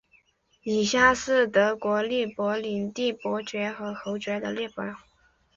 以下是德国利珀领地伯爵和侯爵的列表。